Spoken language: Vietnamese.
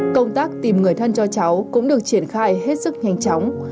công tác tìm người thân cho cháu cũng được triển khai hết sức nhanh chóng